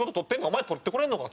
お前取ってこれんのか？」